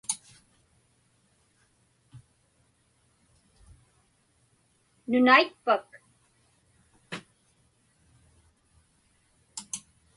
Nunaitpak?